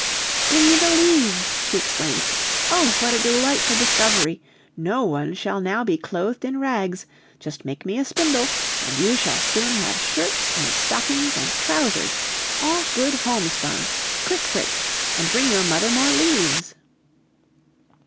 "Bring me the leaves!" she exclaimed. "Oh, what a delightful discovery! No one shall now be clothed in rags; just make me a spindle, and you shall soon have shirts and stockings and trousers, all good homespun! Quick, Fritz, and bring your mother more leaves!"